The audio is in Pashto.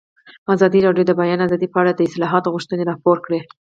ازادي راډیو د د بیان آزادي په اړه د اصلاحاتو غوښتنې راپور کړې.